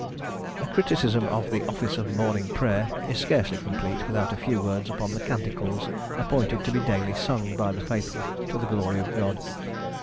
A criticism on the office of Morning Prayer is scarcely complete without a few words upon the canticles appointed to be daily sung by the faithful to the glory of God.